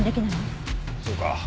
そうか。